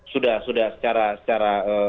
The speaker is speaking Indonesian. sudah sudah secara secara